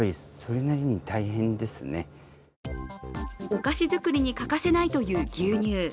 お菓子作りに欠かせないという牛乳。